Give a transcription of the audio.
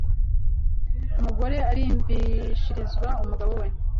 umugore arimbishirizwa umugabo we